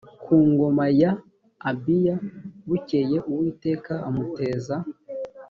ku ngoma ya abiya bukeye uwiteka amuteza